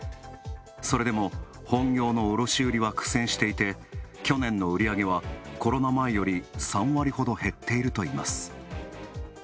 それでも、本業の卸売りは苦戦していて去年の売り上げはコロナ前より３割ほど減っているといいます。